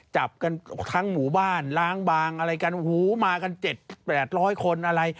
จับกันทั้งหมู่บ้านล้างบางอะไรกันหูมากัน๗๘๐๐คนอะไร